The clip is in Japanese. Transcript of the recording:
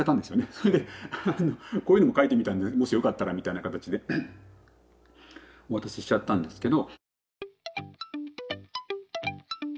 それで「こういうのもかいてみたんでもしよかったら」みたいな形でお渡ししちゃったんですけど。